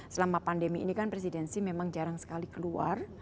selama pandemi ini kan presidensi memang jarang sekali keluar